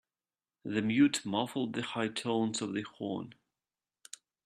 The mute muffled the high tones of the horn.